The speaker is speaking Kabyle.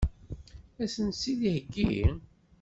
Ad sent-tt-id-iheggi?